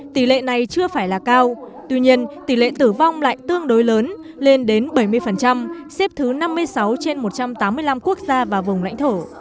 tỷ lệ này chưa phải là cao tuy nhiên tỷ lệ tử vong lại tương đối lớn lên đến bảy mươi xếp thứ năm mươi sáu trên một trăm tám mươi năm quốc gia và vùng lãnh thổ